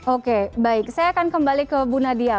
oke baik saya akan kembali ke bu nadia